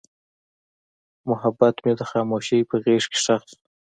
محبت مې د خاموشۍ په غېږ کې ښخ شو.